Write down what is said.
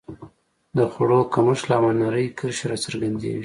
د خوړو کمښت له امله نرۍ کرښې راڅرګندېږي.